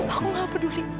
aku gak peduli